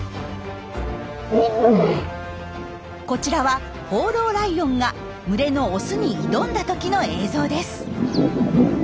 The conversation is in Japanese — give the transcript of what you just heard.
こちらは放浪ライオンが群れのオスに挑んだ時の映像です。